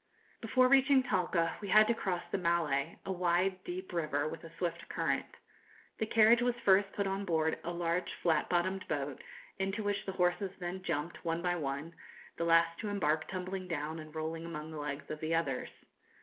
Before reaching Talca we had to cross the Maule, a wide, deep river, with a swift current. The carriage was first put on board a large flat bottomed boat, into which the horses then jumped, one by one, the last to embark tumbling down and rolling among the legs of the others.